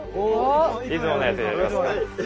いつものやつやりますか。